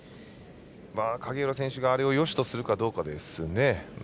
影浦選手があれをよしとするかどうかですね。